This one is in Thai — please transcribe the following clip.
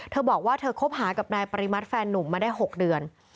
เธอบอกว่าเธอคบหากับนายปริมัติแฟนนุ่มมาได้๖เดือน